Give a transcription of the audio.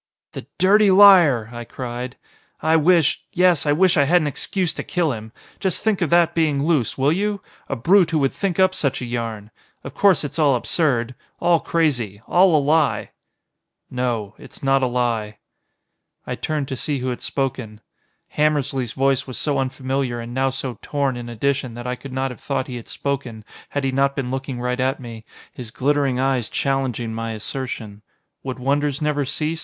"The dirty liar!" I cried. "I wish yes I wish I had an excuse to kill him. Just think of that being loose, will you? A brute who would think up such a yarn! Of course it's all absurd. All crazy. All a lie." "No. It's not a lie." I turned to see who had spoken. Hammersly's voice was so unfamiliar and now so torn in addition that I could not have thought he had spoken, had he not been looking right at me, his glittering eyes challenging my assertion. Would wonders never cease?